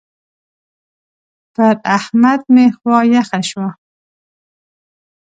پر احمد مې خوا يخه شوه.